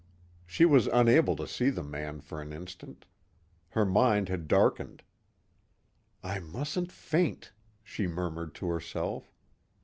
She was unable to see the man for an instant. Her mind had darkened. "I mustn't faint," she murmured to herself.